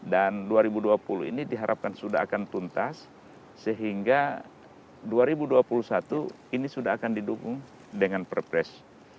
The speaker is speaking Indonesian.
dan dua ribu dua puluh ini diharapkan sudah akan tuntas sehingga dua ribu dua puluh satu ini sudah akan didukung dengan perpres